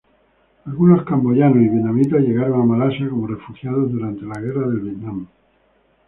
Algunos camboyanos y vietnamitas llegaron a Malasia como refugiados durante la Guerra de Vietnam.